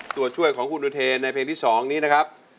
ตัวช่วยของคุณนูเทย์ในแผ่นที่สองนะครับ